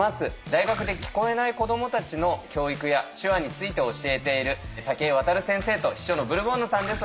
大学で聞こえない子どもたちの教育や手話について教えている武居渡先生と秘書のブルボンヌさんです。